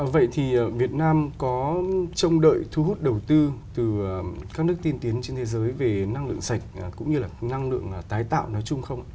vậy thì việt nam có trông đợi thu hút đầu tư từ các nước tiên tiến trên thế giới về năng lượng sạch cũng như là năng lượng tái tạo nói chung không ạ